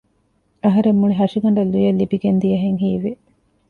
އަހަރެންގެ މުޅި ހަށިގަނޑަށް ލުޔެއް ލިބިގެންދިޔަހެން ހީވި